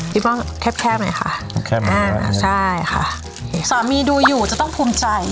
ป้องแคบแคบหน่อยค่ะแคบอ่าใช่ค่ะสามีดูอยู่จะต้องภูมิใจ